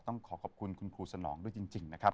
ต้องขอขอบคุณคุณครูสนองด้วยจริงนะครับ